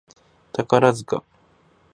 宝塚